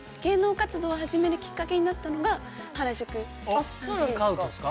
あっそうなんですか？